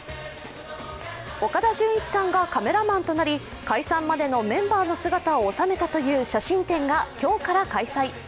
岡田准一さんかカメラマンとなり解散までのメンバーの姿を収めたという写真展が今日から開催。